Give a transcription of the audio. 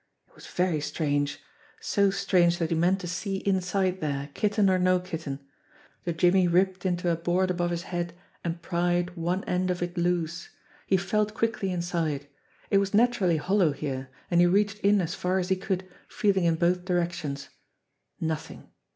It was very strange ! So strange that he meant to see inside there, Kitten or no Kitten! The jimmy ripped into a board above his head, and pried one end of it loose. He felt quickly in side. It was naturally hollow here, and he reached in as far as he could, feeling in both directions. Nothing!